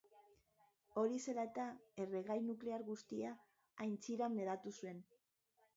Hori zela eta, erregai nuklear guztia aintziran hedatu zen.